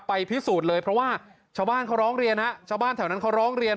พิสูจน์เลยเพราะว่าชาวบ้านเขาร้องเรียนฮะชาวบ้านแถวนั้นเขาร้องเรียน